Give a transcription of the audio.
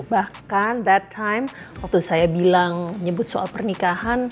bahkan that time waktu saya bilang nyebut soal pernikahan